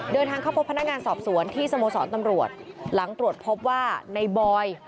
เดินทางเข้าพบพนักงานสอบสวนที่สโมสรตำรวจหลังตรวจพบว่าในบอย